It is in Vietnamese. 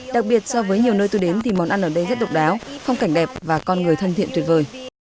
đặc biệt so với nhiều nơi tôi đến thì món ăn ở đây rất độc đáo phong cảnh đẹp và con người thân thiện tuyệt vời